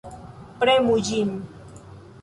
Premu ĝin.